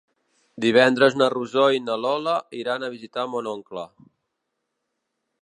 Divendres na Rosó i na Lola iran a visitar mon oncle.